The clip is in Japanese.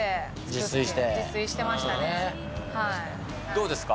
どうですか？